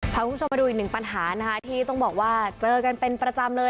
พาคุณผู้ชมมาดูอีกหนึ่งปัญหานะคะที่ต้องบอกว่าเจอกันเป็นประจำเลย